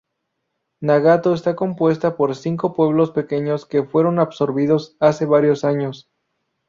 Nagato está compuesta por cinco pueblos pequeños que fueron absorbidos hace varios años.